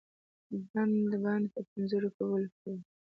بند بند په پنځو روپو وپلوري.